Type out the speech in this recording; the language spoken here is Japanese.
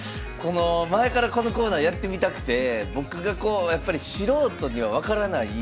前からこのコーナーやってみたくて僕がやっぱり素人には分からない